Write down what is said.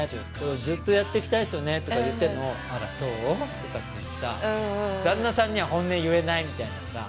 ずっとやっていきたいんですよねとか言ってんのをあらそうとかって言ってさ旦那さんには本音言えないみたいなさ